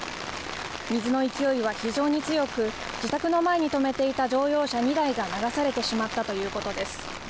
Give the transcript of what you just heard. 水の勢いは非常に強く、自宅の前に止めていた乗用車２台が流されてしまったということです。